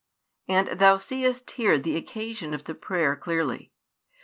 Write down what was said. And thou seest here the occasion of the prayer clearly.